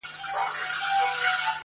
درس د میني راکه بیا همدم راکه,